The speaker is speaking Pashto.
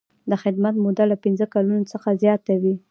د خدمت موده له پنځه کلونو څخه زیاته وي.